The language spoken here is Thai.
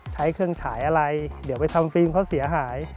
ใช้เครื่องฉายอะไรเดี๋ยวไปทำฟิล์มเขาเสียหาย